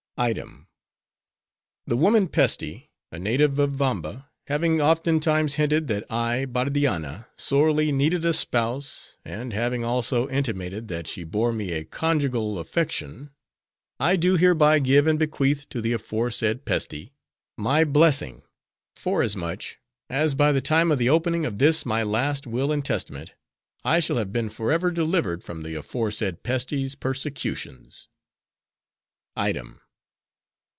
"'Item. The woman Pesti; a native of Vamba, having oftentimes hinted that I, Bardianna, sorely needed a spouse, and having also intimated that she bore me a conjugal affection; I do hereby give and bequeath to the aforesaid Pesti:—my blessing; forasmuch, as by the time of the opening of this my last will and testament, I shall have been forever delivered from the aforesaid Pesti's persecutions. "'Item.